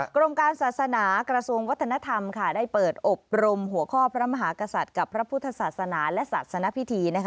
กรมการศาสนากระทรวงวัฒนธรรมได้เปิดอบรมหัวข้อพระมหากษัตริย์กับพระพุทธศาสนาและศาสนพิธี